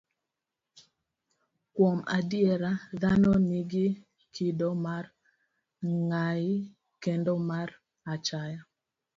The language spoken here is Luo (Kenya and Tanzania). Kuom adier, dhano nigi kido mar ng'ayi kendo mar achaya.